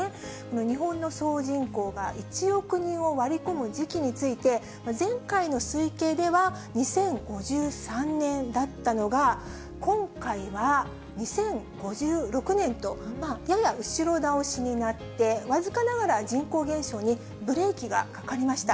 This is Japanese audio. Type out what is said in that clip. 日本の総人口が１億人を割り込む時期について、前回の推計では２０５３年だったのが、今回は２０５６年と、やや後ろ倒しになって、僅かながら人口減少にブレーキがかかりました。